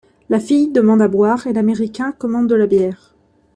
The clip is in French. La fille demande à boire et l'Américain commande de la bière.